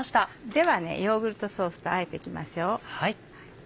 ではヨーグルトソースとあえていきましょう。